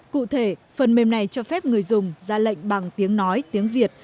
cụ thể phần mềm này cho phép người dùng ra lệnh bằng tiếng nói tiếng việt